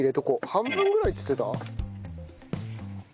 半分ぐらいっつってた？